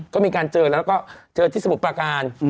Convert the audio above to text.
ก็มีการเจอแล้วก็เจอที่สมุทรประการ